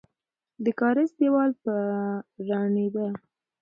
د کارېز دیوال به رانړېده.